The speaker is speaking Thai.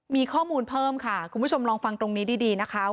มีข้อมูลเพิ่มค่ะคุณผู้ชมลองฟังตรงนี้ดีนะคะ